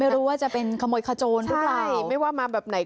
ไม่รู้ว่าจะเป็นขโมยขาโจรทุกคน